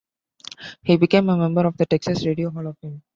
He became a member of the Texas Radio Hall of Fame.